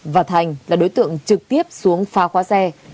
và thành là đối tượng trực tiếp xuống phá khóa xe